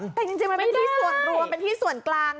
แต่จริงมันเป็นที่ส่วนรวมเป็นที่ส่วนกลาง